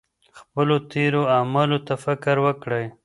خپلو تېرو اعمالو ته فکر وکړئ.